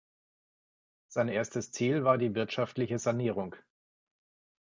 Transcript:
Sein erstes Ziel war die wirtschaftliche Sanierung.